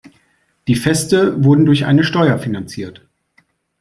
Die Feste wurden durch eine Steuer finanziert.